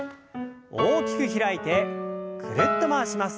大きく開いてぐるっと回します。